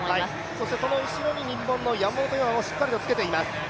そしてその後ろに日本の山本有真もしっかりとつけています。